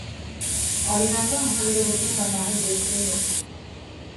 Айҙарҙың һөрлөгөргә самаһы юҡ ине.